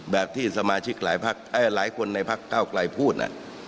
แบบที่สมาชิกหลายคนในพักเก้าไกลพูด